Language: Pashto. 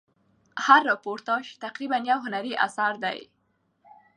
هر راپورتاژ تقریبآ یو هنري اثر دئ.